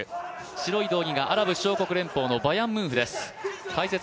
白い道着がアラブ首長国連邦のバヤンムンフです。